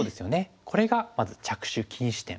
これがまず着手禁止点。